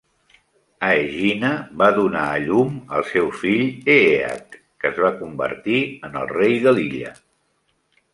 Aegina va donar a llum al seu fill Èeac, que es va convertir en el rei de l'illa.